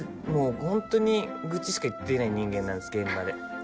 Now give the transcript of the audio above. ホントに愚痴しか言っていない人間なんです現場で。